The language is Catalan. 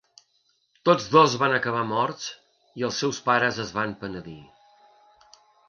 Tots dos van acabar morts i els seus pares es van penedir.